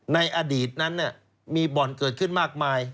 ในอดีตนั้นมีบ่อนเกิดขึ้นมากมาย